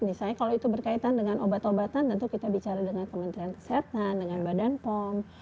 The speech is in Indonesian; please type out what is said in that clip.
misalnya kalau itu berkaitan dengan obat obatan tentu kita bicara dengan kementerian kesehatan dengan badan pom